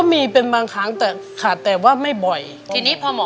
สามีก็ต้องพาเราไปขับรถเล่นดูแลเราเป็นอย่างดีตลอดสี่ปีที่ผ่านมา